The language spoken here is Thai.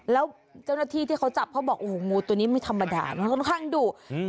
แล้วเจ้าหน้าที่ที่เขาจับเขาบอกโอ้โหงูตัวนี้ไม่ธรรมดามันค่อนข้างดุอืม